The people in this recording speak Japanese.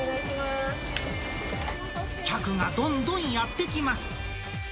客がどんどんやって来ます。